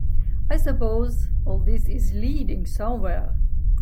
I suppose all this is leading somewhere?